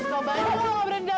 gak baik kalau gak berani datang